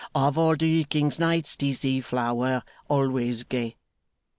Of all the king's knights 'tis the flower, Always gay!